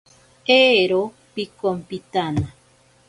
Eero pikompitana.